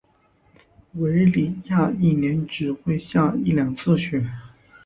韦里亚一年只会下一两次雪。